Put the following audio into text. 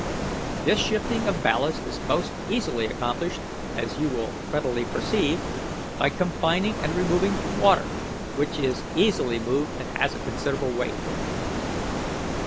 This shifting of ballast is most easily accomplished, as you will readily perceive, by confining and removing water, which is easily moved and has a considerable weight.